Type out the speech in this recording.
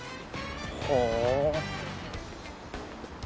ほう。